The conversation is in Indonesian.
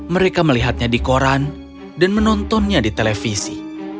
mereka melihatnya di koran dan menontonnya di televisi